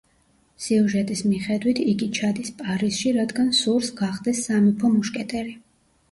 სიუჟეტის მიხედვით, იგი ჩადის პარიზში, რადგან სურს, გახდეს სამეფო მუშკეტერი.